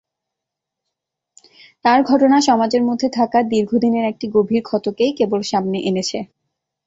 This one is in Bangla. তাঁর ঘটনা সমাজের মধ্যে থাকা দীর্ঘদিনের একটি গভীর ক্ষতকেই কেবল সামনে এনেছে।